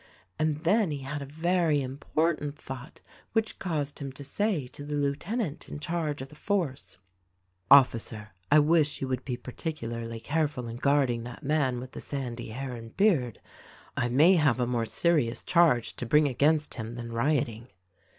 And then he had a very important thought which caused him to say to the lieutenant in charge of the force, "Officer, I wish you would be particularly careful in guarding that man with the sandy hair and beard. I may have a more serious charge to bring against him than rioting."